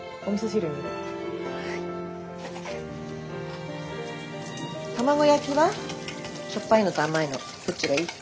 しょっぱいのと甘いのどっちがいい？